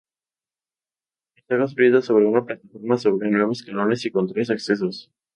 Está construida sobre una plataforma sobre nueve escalones, y con tres accesos.